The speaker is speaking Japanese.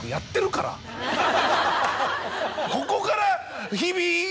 ここから。